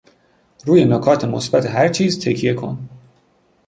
روی نکات مثبت هرچیز تکیه کن.